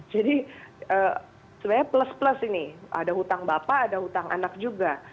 jadi sebenarnya plus plus ini ada hutang bapak ada hutang anak juga